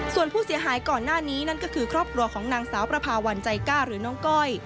ส่วนผู้เสียหายก่อนหน้านี้นั่นก็คือครอบครัวของนางสาวประพาวันใจกล้าหรือน้องก้อย